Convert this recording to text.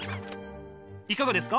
いかがですか？